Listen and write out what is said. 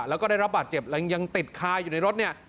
แล้วก็ได้รับบาดเจ็บยังติดคาอยู่ในรถเนี่ย